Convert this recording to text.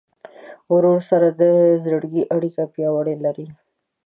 ورور سره د زړګي اړیکه پیاوړې لرې.